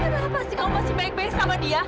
kenapa sih kamu masih baik baik sama dia